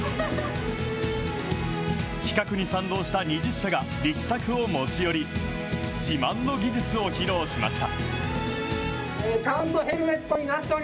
企画に賛同した２０社が力作を持ち寄り、自慢の技術を披露しました。